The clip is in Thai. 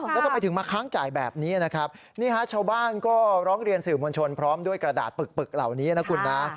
แล้วทำไมถึงมาค้างจ่ายแบบนี้นะครับนี่ฮะชาวบ้านก็ร้องเรียนสื่อมวลชนพร้อมด้วยกระดาษปึกเหล่านี้นะคุณนะ